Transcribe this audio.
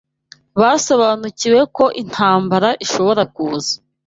Basobanukiwe ko intambara ishobora kuza.